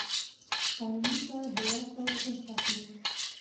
قانوني څار د واک توازن ساتي.